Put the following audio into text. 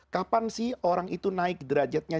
kapan sih orang itu naik derajatnya